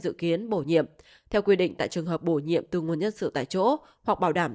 dự kiến bổ nhiệm theo quy định tại trường hợp bổ nhiệm từ nguồn nhân sự tại chỗ hoặc bảo đảm